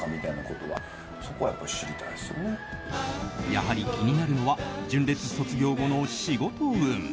やはり気になるのは純烈卒業後の仕事運。